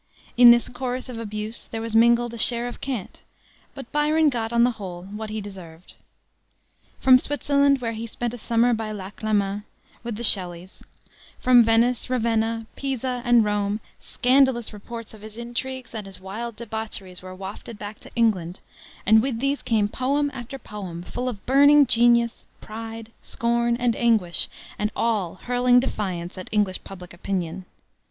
In this chorus of abuse there was mingled a share of cant; but Byron got, on the whole, what he deserved. From Switzerland, where he spent a summer by Lake Leman, with the Shelleys; from Venice, Ravenna, Pisa, and Rome, scandalous reports of his intrigues and his wild debaucheries were wafted back to England, and with these came poem after poem, full of burning genius, pride, scorn, and anguish, and all hurling defiance at English public opinion.